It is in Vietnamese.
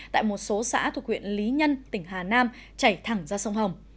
tại một số xã thuộc huyện lý nhân tỉnh hà nam chảy thẳng ra sông hồng